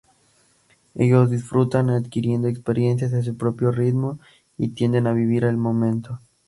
Ellos disfrutan adquiriendo experiencias a su propio ritmo y tienden a vivir el momento.